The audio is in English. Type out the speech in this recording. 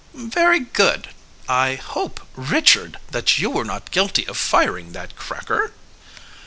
"Very good. I hope, Richard, that you were not guilty of firing that cracker?"